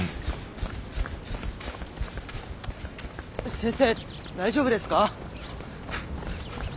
先生大丈夫ですか？